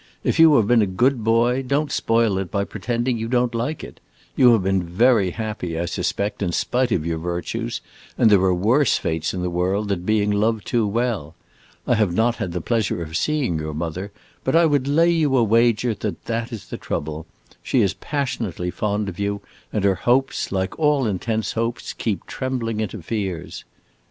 If you have been a good boy, don't spoil it by pretending you don't like it. You have been very happy, I suspect, in spite of your virtues, and there are worse fates in the world than being loved too well. I have not had the pleasure of seeing your mother, but I would lay you a wager that that is the trouble. She is passionately fond of you, and her hopes, like all intense hopes, keep trembling into fears."